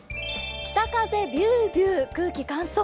北風ビュービュー空気乾燥。